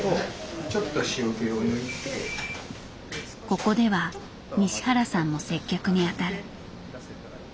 ここでは西原さんも接客に当たる。